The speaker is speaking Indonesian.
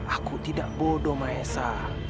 aku tidak bodoh maesa